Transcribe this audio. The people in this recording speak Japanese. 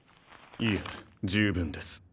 いえ十分です